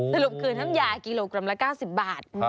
สรุปคือน้ำยากิโลกรัมละ๙๐บาท